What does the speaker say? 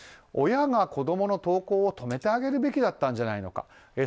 親が子供の投稿を止めてあげるべきだったんじゃないのか。